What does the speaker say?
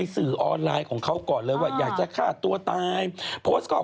เขียนระบายเขียนระบายมาก่อน